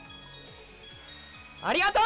ありがとう！